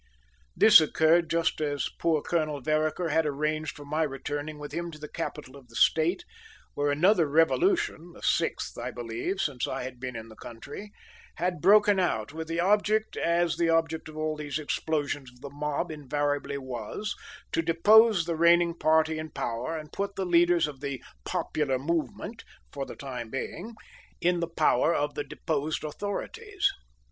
This occurred just as poor Colonel Vereker had arranged for my returning with him to the capital of the State, where another revolution the sixth, I believe, since I had been in the country had broken out, with the object, as the object of all these explosions of the mob invariably was, to depose the reigning party in power, and put the leaders of "the popular movement" for the time being, in the power of the deposed authorities.